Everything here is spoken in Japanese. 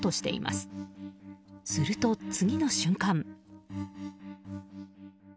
すると次の瞬間。